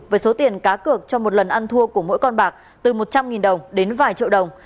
với số tiền cá cược cho một lần ăn thua của mỗi con bạc từ một trăm linh đồng đến vài triệu đồng